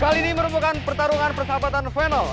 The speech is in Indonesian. kali ini merupakan pertarungan persahabatan final